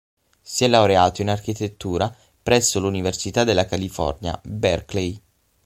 Si è laureato in architettura presso l'Università della California, Berkeley.